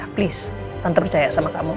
please tanpa percaya sama kamu